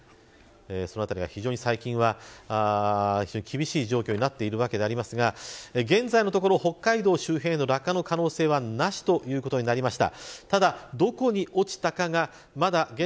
そのあたりは、非常に最近は厳しい状況になっているわけではありますが、現在のところ北海道周辺、落下の可能性なしということになりました。